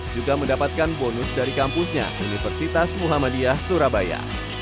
juga mendapatkan bonus dari kampusnya universitas muhammadiyah surabaya